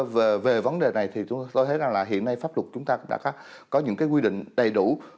về vấn đề này thì tôi thấy rằng là hiện nay pháp luật chúng ta cũng đã có những cái quy định đầy đủ